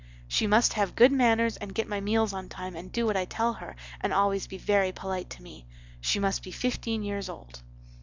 "'She must have good manners and get my meals on time and do what I tell her and always be very polite to me. She must be fifteen yers old.